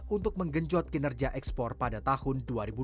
untuk menggenjot kinerja ekspor pada tahun dua ribu dua puluh